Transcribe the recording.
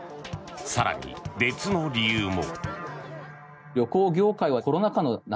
更に、別の理由も。